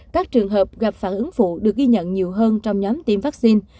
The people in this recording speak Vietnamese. các trường hợp gặp phản ứng phụ được ghi nhận nhiều hơn trong nhóm tiêm vaccine